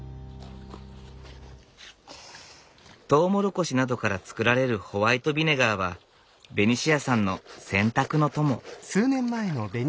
トウモロコシなどから作られるホワイトビネガーはベニシアさんの洗濯の友。